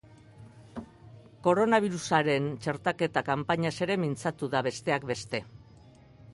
Koronabirusaren txertaketa kanpainaz ere mintzatu da, bestek beste.